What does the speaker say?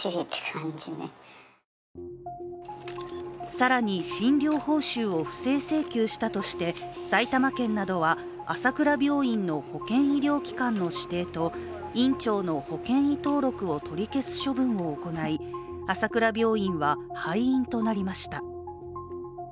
更に診療報酬を不正請求したとして、埼玉県などは朝倉病院の保健医療機関の指定と院長の保険医登録を取り消す処分を行い朝倉病院は廃院となりました。